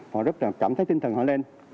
họ rất là cảm thấy tinh thần họ lên